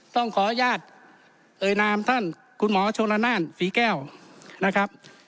ต้องขออนุญาตเอ่ยนามท่านคุณหมอชนละนานศรีแก้วนะครับ